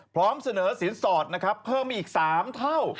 พร้อมเสนอสินสอบเพิ่มอีก๓เท่า